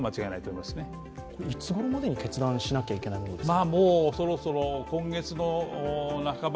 いつごろまでに決断しなきゃいけないんですか。